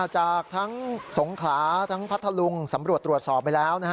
จากทั้งสงขลาทั้งพัทธลุงสำรวจตรวจสอบไปแล้ว